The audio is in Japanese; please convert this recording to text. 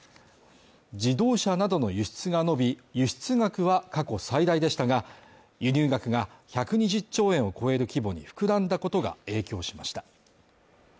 自動車などの輸出が伸び、輸出額は過去最大でしたが、輸入額が１２０兆円を超える規模に膨らんだことが影響しました。